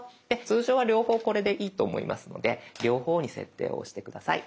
通常は両方これでいいと思いますので両方に設定を押して下さい。